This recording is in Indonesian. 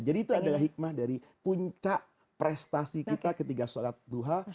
jadi itu adalah hikmah dari puncak prestasi kita ketika sholat duha